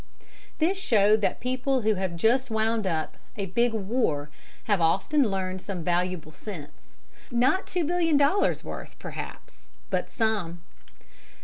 This showed that people who have just wound up a big war have often learned some valuable sense; not two billion dollars' worth, perhaps, but some.